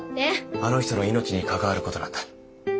あの人の命に関わることなんだ。